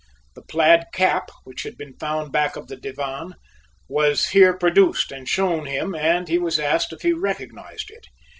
The plaid cap, which had been found back of the divan, was here produced and shown him and he was asked if he recognized it.